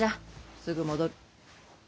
すぐ戻る。